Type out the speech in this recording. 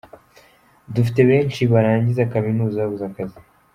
Dufite benshi barangije kaminuza babuze akazi.